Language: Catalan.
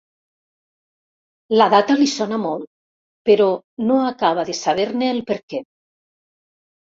La data li sona molt, però no acaba de saber-ne el perquè.